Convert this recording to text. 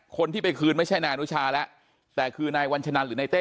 คนที่ไปคืนไม่ใช่นายอนุชาแล้วแต่คือนายวัญชนันหรือนายเต้